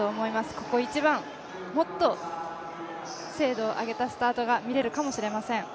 ここ一番、もっと精度を上げたスタートが見られるかもしれません。